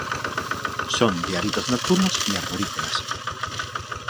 Son de hábitos nocturnos y arborícolas.